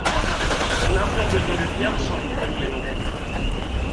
Nous n’avions besoin de personne pour régler nos problèmes.